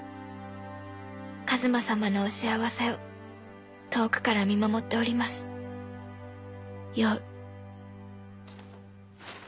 一馬様のお幸せを遠くから見守っておりますよう」。